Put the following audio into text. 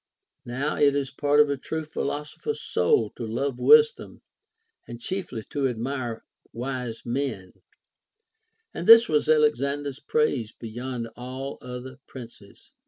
Now it is part of a true philosopher's soul to love wisdom and chiefly to admire wise men ; and this was Alexander's praise beyond all other princes.